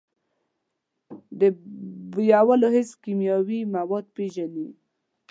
د بویولو حس کیمیاوي مواد پېژني.